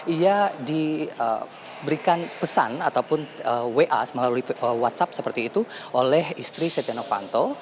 ia diberikan pesan ataupun wa melalui whatsapp seperti itu oleh istri setia novanto